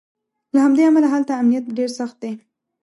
له همدې امله هلته امنیت ډېر سخت دی.